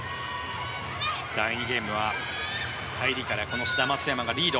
第２ゲームは入りから志田・松山がリード。